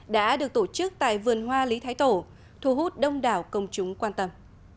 đã được tổ chức tại vườn hoa lý thái tổ thu hút đông đảo công chúng quan tâm